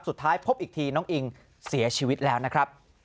สุดท้ายพบอีกทีน้องอิงเสียชีวิตแล้วนะครับ